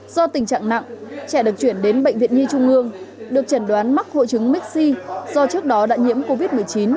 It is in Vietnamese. do tình trạng nặng trẻ được chuyển đến bệnh viện nhi trung ương được chẩn đoán mắc hội chứng mixi do trước đó đã nhiễm covid một mươi chín